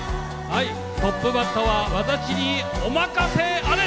トップバッターは私にお任せあれ！